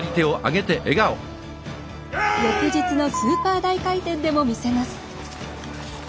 翌日のスーパー大回転でも魅せます。